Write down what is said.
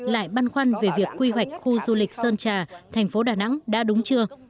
lại băn khoăn về việc quy hoạch khu du lịch sơn trà tp đà nẵng đã đúng chưa